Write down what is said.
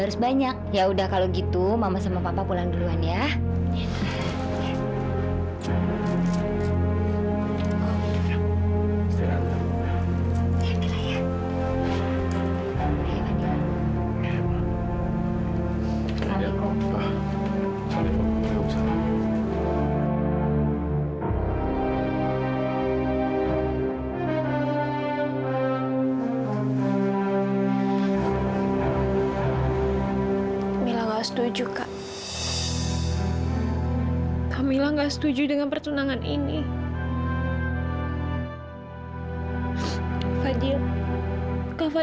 harus banyak ya udah kalau gitu mama sama papa pulang duluan ya ya